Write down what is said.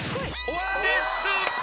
［です！］